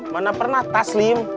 mana pernah taslim